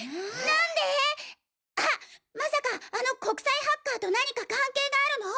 まさかあの国際ハッカーと何か関係があるの？